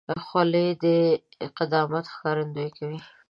خولۍ د قدامت ښکارندویي کوي.